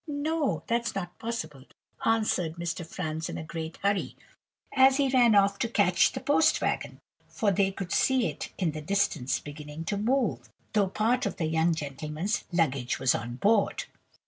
no, that's not possible,' answered Mr. Franz in a great hurry, as he ran off to catch the post wagon; for they could see it in the distance beginning to move, though part of the young gentleman's luggage was on board.